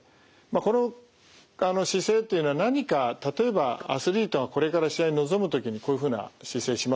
この姿勢というのは何か例えばアスリートがこれから試合に臨む時にこういうふうな姿勢しますよね。